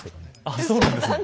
あっそうなんですね。